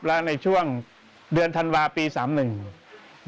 นายและจำปลาคำแก้ว